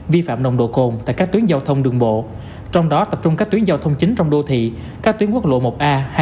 vi phạm nồng độ cồn và các hành vi vi phạm khác theo quy định của pháp luật